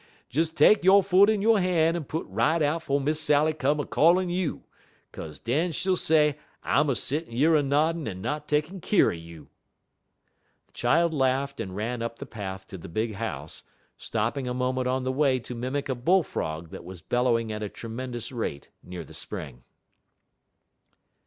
Des take yo' foot in yo' han' en put right out 'fo' Miss Sally come a callin' you, 'kaze den she'll say I'm a settin' yer a noddin' en not takin' keer un you." The child laughed and ran up the path to the big house, stopping a moment on the way to mimic a bull frog that was bellowing at a tremendous rate near the spring.